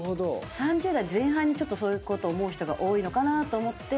３０代前半にそういうことを思う人が多いのかなと思って。